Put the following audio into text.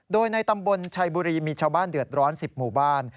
โดยในตำบลชัยบุรีมีชาวบ้านเดือดร้อน๑๐หมู่บ้าน